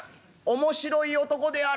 「面白い男である。